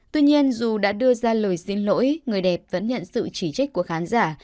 tuy nhiên dù đã đưa ra lời xin lỗi người đẹp vẫn nhận sự chỉ trích của khán giả